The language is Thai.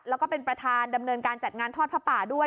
แล้วก็เป็นประธานดำเนินการจัดงานทอดพระป่าด้วย